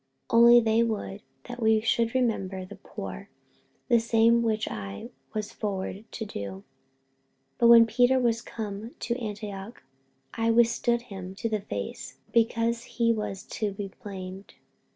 48:002:010 Only they would that we should remember the poor; the same which I also was forward to do. 48:002:011 But when Peter was come to Antioch, I withstood him to the face, because he was to be blamed.